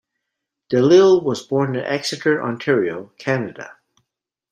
De Lisle was born in Exeter, Ontario, Canada.